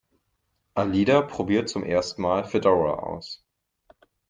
Alida probiert zum allerersten Mal Fedora aus.